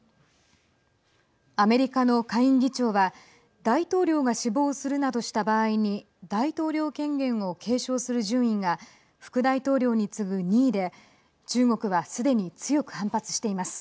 アメリカの下院議長は大統領が死亡するなどした場合に大統領権限を継承する順位が副大統領に次ぐ２位で中国はすでに強く反発しています。